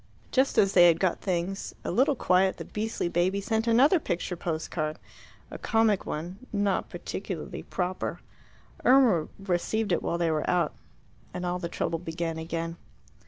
Just as they had got things a little quiet the beastly baby sent another picture post card a comic one, not particularly proper. Irma received it while they were out, and all the trouble began again.